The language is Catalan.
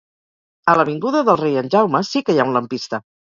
A l'avinguda del Rei en Jaume sí que hi ha un lampista